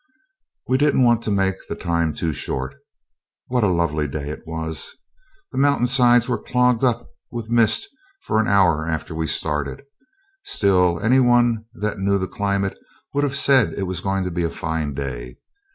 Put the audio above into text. We didn't want to make the time too short. What a lovely day it was! The mountain sides were clogged up with mist for an hour after we started; still, any one that knew the climate would have said it was going to be a fine day.